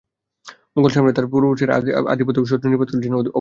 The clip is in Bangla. মোগল সাম্রাজ্যে তাঁর পূর্ব পুরুষেরা আধিপত্য বিস্তারে শত্রু নিপাত করেছেন অমিতবিক্রমে।